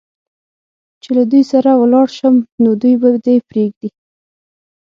چې له دوی سره ولاړ شم، نو دوی به دې پرېږدي؟